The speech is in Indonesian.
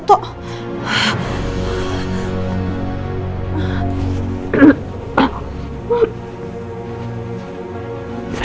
aduh ya allah